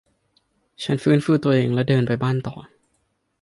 ฉันฟื้นฟูตัวเองและเดินไปบ้านต่อ